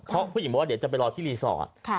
เพราะผู้หญิงบอกว่าเดี๋ยวจะไปรอที่รีสอร์ท